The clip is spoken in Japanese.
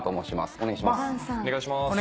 お願いします。